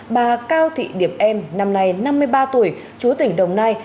bà cao thị điệp em năm nay năm mươi ba tuổi chú tỉnh đồng nai